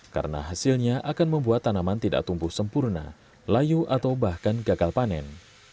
karena hasilnya akan membuat tanaman tidak tumbuh sempurna layu atau bahkan gagal panen